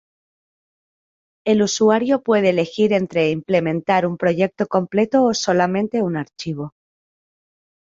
El usuario puede elegir entre implementar un proyecto completo o solamente un archivo.